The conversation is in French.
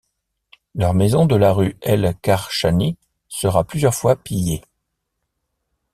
Leur maison de la rue el Karchani sera plusieurs fois pillée.